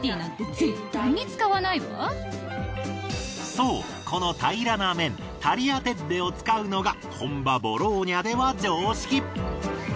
そうこの平らな麺タリアテッレを使うのが本場ボローニャでは常識。